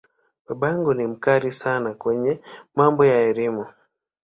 Baba yangu ni ‘mkali’ sana kwenye mambo ya Elimu.